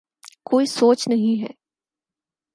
کوئی سوچ نہیں ہے۔